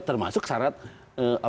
termasuk syarat tadi taat kepada